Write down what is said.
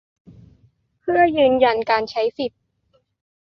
เพื่อยืนยันการใช้สิทธิ